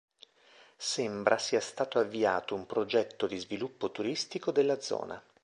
Sembra sia stato avviato un progetto di sviluppo turistico della zona.